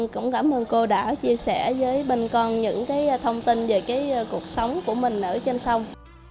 cũng cảm ơn cô đã chia sẻ với bên con những thông tin về cuộc sống của mình ở trên sông